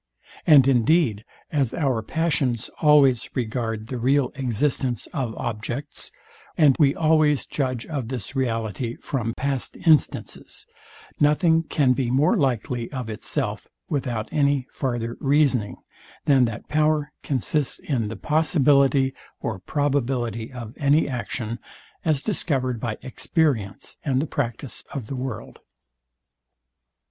And indeed, as our passions always regard the real existence of objects, and we always judge of this reality from past instances; nothing can be more likely of itself, without any farther reasoning, than that power consists in the possibility or probability of any action, as discovered by experience and the practice of the world.